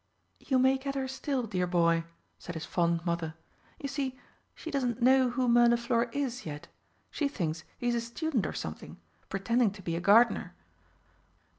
"You may get her still, dear boy," said his fond Mother. "You see, she doesn't know who Mirliflor is yet she thinks he's a student or something, pretending to be a gardener.